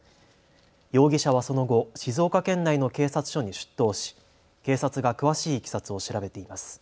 容疑者はその後、静岡県内の警察署に出頭し警察が詳しいいきさつを調べています。